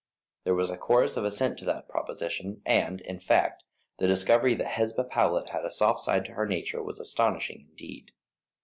There was a chorus of assent to the proposition, and, in fact, the discovery that Hesba Powlett had a soft side to her nature was astonishing indeed.